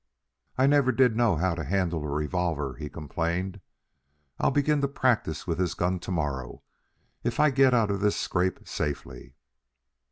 "I never did know how to handle a revolver," he complained. "I'll begin to practise with this gun to morrow if I get out of this scrape safely."